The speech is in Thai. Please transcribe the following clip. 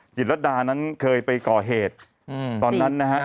จิตรดานั้นเคยไปก่อเหตุตอนนั้นนะฮะ